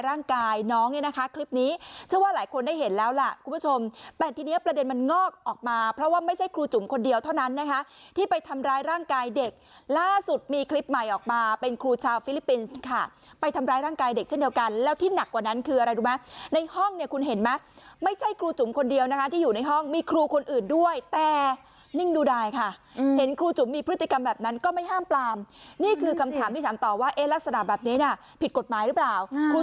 ร่างกายเด็กล่าสุดมีคลิปใหม่ออกมาเป็นครูชาวฟิลิปปินส์ค่ะไปทำร้ายร่างกายเด็กเช่นเดียวกันแล้วที่หนักกว่านั้นคืออะไรดูมั้ยในห้องเนี่ยคุณเห็นมั้ยไม่ใช่ครูจุ๋มคนเดียวนะคะที่อยู่ในห้องมีครูคนอื่นด้วยแต่นิ่งดูได้ค่ะเห็นครูจุ๋มมีพฤติกรรมแบบนั้นก็ไม่ห้ามปลามนี่คือคำถามที่ถามต่อว่ารัก